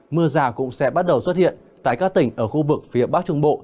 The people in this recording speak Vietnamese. mưa rào cũng sẽ bắt đầu xuất hiện tại các tỉnh ở khu vực phía bắc trung bộ